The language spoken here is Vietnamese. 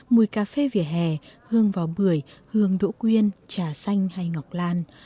mùi cà phê vỉa hè hương vò bưởi hương đỗ quyên trà xanh hay ngọc lan